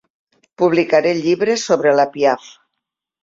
Publicaré llibres sobre la Piaff.